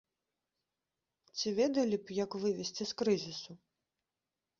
Ці ведалі б, як вывесці з крызісу?